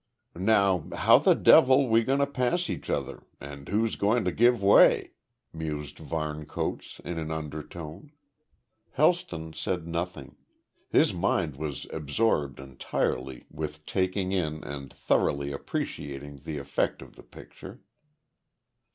"Now how the devil are we going to pass each other, and who's going to give way?" mused Varne Coates in an undertone. Helston said nothing. His mind was absorbed entirely with taking in and thoroughly appreciating the effect of the picture.